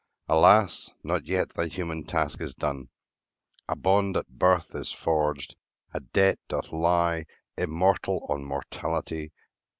Alas, not yet thy human task is done! A bond at birth is forged; a debt doth lie Immortal on mortality.